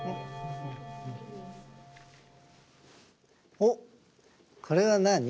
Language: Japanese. おっこれはなに？